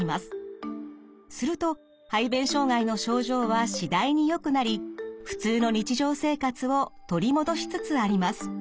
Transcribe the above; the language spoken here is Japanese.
すると排便障害の症状は次第によくなり普通の日常生活を取り戻しつつあります。